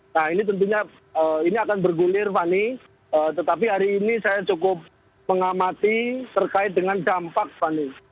nah ini tentunya ini akan bergulir fani tetapi hari ini saya cukup mengamati terkait dengan dampak fani